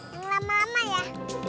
yang lama lama ya